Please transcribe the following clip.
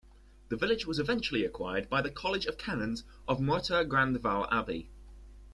The village was eventually acquired by the college of canons of Moutier-Grandval Abbey.